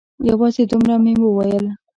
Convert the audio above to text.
یوازې دومره مې وویل.